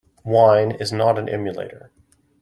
Wine is not an emulator.